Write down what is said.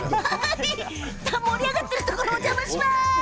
盛り上がっているところお邪魔します。